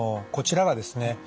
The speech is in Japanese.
こちらはですね